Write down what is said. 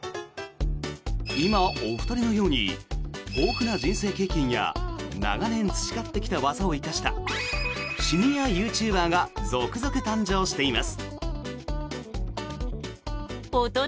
今、お二人のように豊富な人生経験や長年培ってきた技を生かしたシニアユーチューバーが続々、誕生しています。